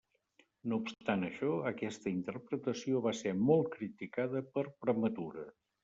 No obstant això, aquesta interpretació va ser molt criticada per prematura.